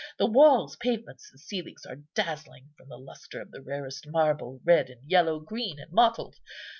The walls, pavements, and ceilings are dazzling from the lustre of the rarest marble, red and yellow, green and mottled.